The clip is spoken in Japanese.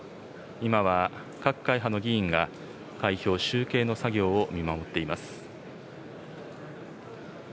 今は各会派の議員が開票・集計の作業を見守っています。